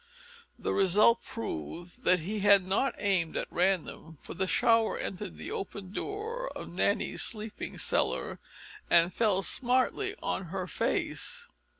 The result proved that he had not aimed at random, for the shower entered the open door of Nanny's sleeping cellar and fell smartly on her face.